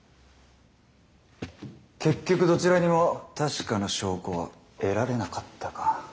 結局どちらにも確かな証拠は得られなかったか。